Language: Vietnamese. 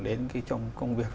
đến cái trong công việc